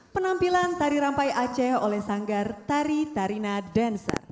penampilan tari rampai aceh oleh sanggar tari tarina dancer